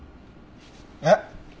えっ？